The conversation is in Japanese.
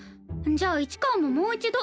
じゃあ市川ももう一度。